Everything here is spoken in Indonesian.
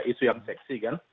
isu yang seksi kan